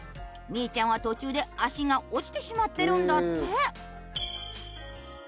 うちゃんは途中で足が落ちてしまってるんだって。